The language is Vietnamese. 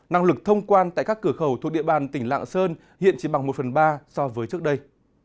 năng lực thông quan tại các cửa khẩu thuộc địa bàn tỉnh lạng sơn hiện chỉ bằng một phần ba so với trước đây